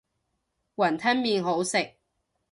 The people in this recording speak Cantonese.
雲吞麵好食